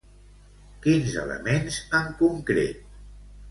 Quins elements en concret?